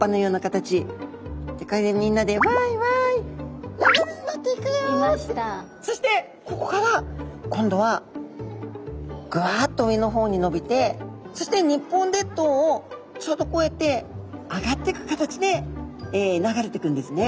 これでみんなでそしてここから今度はぐわっと上の方にのびてそして日本列島をちょうどこうやって上がっていく形で流れていくんですね。